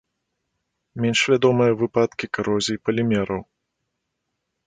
Менш вядомыя выпадкі карозіі палімераў.